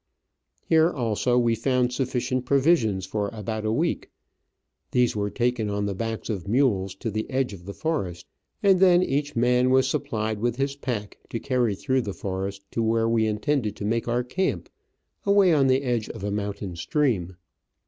Here, also, we found sufficient provisions for about a week ; these were taken on the backs of mules to the edge of the forest, and then each man. was supplied with his pack to carry through the forest to where we intended to make our camp, away on the edge of a mountain stream.